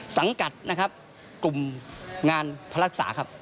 สังกัดกลุ่มงานภรรกษาครับ